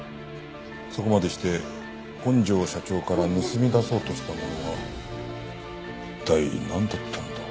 そこまでして本庄社長から盗み出そうとしたものは一体なんだったんだ？